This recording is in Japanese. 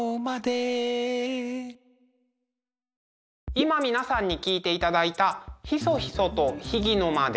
今皆さんに聴いていただいた「ひそひそと、秘儀の間で」